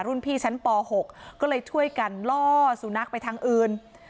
รุ่นพี่ชั้นป๖ก็เลยช่วยกันล่อสุนัขไปทางอื่น